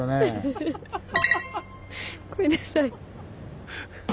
ごめんなさい。